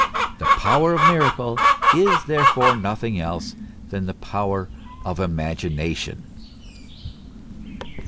The power of miracle is therefore nothing else than the power of the imagination.